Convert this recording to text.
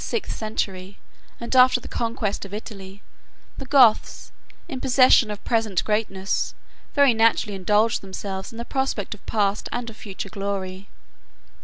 In the beginning of the sixth century, and after the conquest of Italy, the Goths, in possession of present greatness, very naturally indulged themselves in the prospect of past and of future glory.